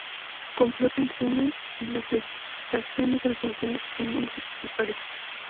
Cumplió funciones en las legaciones argentinas en Londres y París.